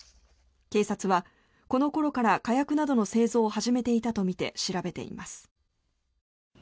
警察はこの頃から火薬などの製造を始めていたとみて調べています。